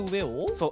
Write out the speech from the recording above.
そう！